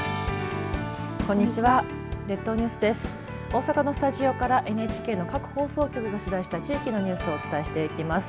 大阪のスタジオからＮＨＫの各放送局を取材した地域のニュースをお伝えしていきます。